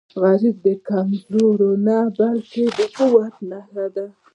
غریب د کمزورۍ نه، بلکې د قوت نښه ده